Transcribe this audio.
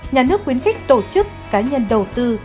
nhà nước khuyến khích tổ chức cá nhân đầu tư